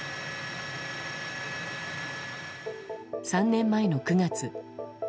３年前の９月。